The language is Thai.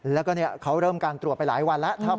แล้วก็เขาเริ่มการตรวจไปหลายวันแล้ว